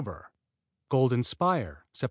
Golden Spire Sept.